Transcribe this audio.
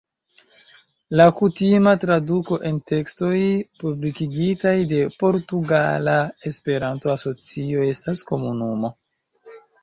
La kutima traduko en tekstoj publikigitaj de Portugala Esperanto-Asocio estas "komunumo".